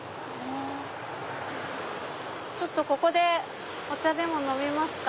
ここでお茶でも飲みますか。